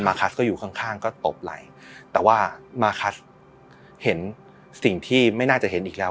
คัสก็อยู่ข้างข้างก็ตบไหล่แต่ว่ามาคัสเห็นสิ่งที่ไม่น่าจะเห็นอีกแล้ว